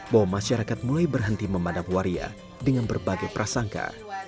bahwa masyarakat mulai berhenti memadam waria dengan berbagai prasangka